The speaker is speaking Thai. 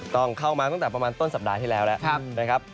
ต้องเข้ามาตั้งแต่ประมาณต้นสัปดาห์ที่แล้วแล้วนะครับ